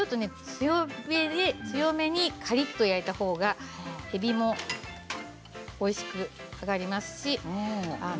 強めにカリっと焼いたほうがえびもおいしく揚がります。